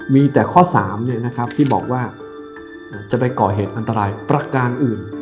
มีแต่ข้อ๓ที่บอกว่าจะไปก่อเหตุอันตรายประการอื่น